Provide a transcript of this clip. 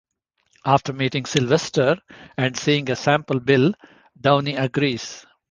After meeting Sylvester and seeing a sample bill, Downey agrees.